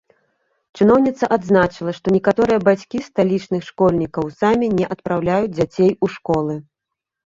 Чыноўніца адзначыла, што некаторыя бацькі сталічных школьнікаў самі не адпраўляюць дзяцей у школы.